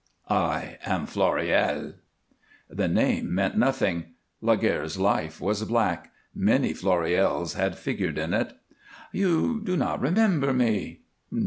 "I am Floréal." The name meant nothing. Laguerre's life was black; many Floréals had figured in it. "You do not remember me?"